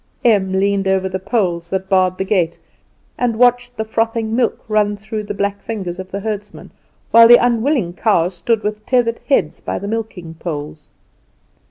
Em leaned over the poles that barred the gate, and watched the frothing milk run through the black fingers of the herdsman, while the unwilling cows stood with tethered heads by the milking poles.